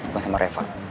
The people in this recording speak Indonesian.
bukan sama reva